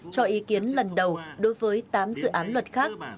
cho ý kiến lần đầu đối với tám dự án luật khác